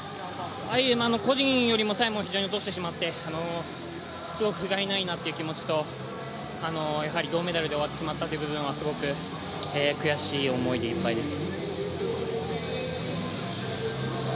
個人よりもタイムを非常に落としてしまって、すごくふがいないなという気持ちと、やはり銅メダルで終わってしまったという部分はすごく悔しい思いでいっぱいです。